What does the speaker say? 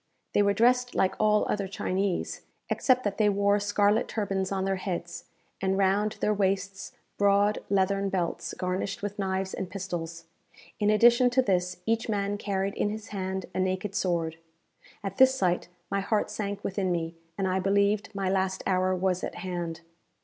They were dressed like all other Chinese, except that they wore scarlet turbans on their heads, and round their waists broad leathern belts garnished with knives and pistols. In addition to this, each man carried in his hand a naked sword. At this sight my heart sank within me, and I believed my last hour was at hand.